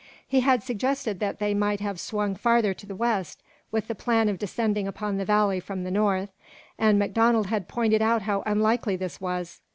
He had suggested that they might have swung farther to the west, with the plan of descending upon the valley from the north, and MacDonald had pointed out how unlikely this was.